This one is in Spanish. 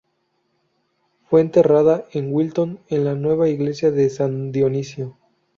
Fue enterrada en Wilton en la nueva iglesia de san Dionisio.